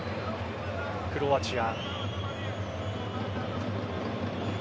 クロアチア。